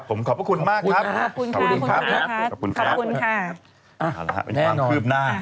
โอเคครับผมขอบคุณมากครับขอบคุณค่ะขอบคุณค่ะ